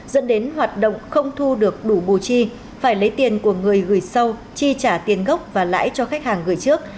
dẫn đến hoạt động không thu được đủ bù chi phải lấy tiền của người gửi sau chi trả tiền gốc và lãi cho khách hàng gửi trước